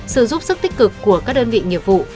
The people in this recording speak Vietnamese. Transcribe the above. sự giúp sức tích cực của các đơn vị nghiệp vụ